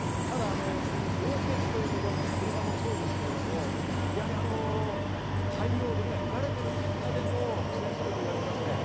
ただ凍結ということ、車もそうですけど、対応できない、慣れている方でも苦戦するといわれています。